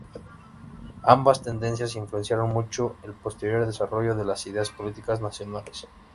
Ambas tendencias influenciaron mucho el posterior desarrollo de las ideas políticas nacionales.